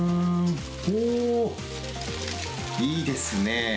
おー、いいですね。